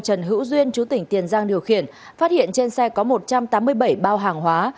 trần hữu duyên chú tỉnh tiền giang điều khiển phát hiện trên xe có một trăm tám mươi bảy bao hàng hóa